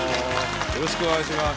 よろしくお願いします。